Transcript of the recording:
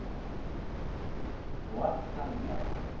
終わったんだよ。